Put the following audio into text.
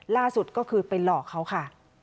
ล่าสุดก็คือไปหลอกเขาค่ะ